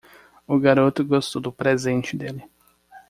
O garoto gostou do presente dele.